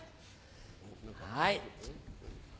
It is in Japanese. はい。